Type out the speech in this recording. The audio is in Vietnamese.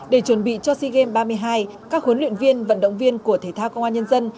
để chuẩn bị cho sea games ba mươi hai các huấn luyện viên vận động viên của thể thao công an nhân dân